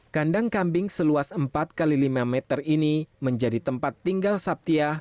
kandang kambing seluas empat x lima meter ini menjadi tempat tinggal sabtia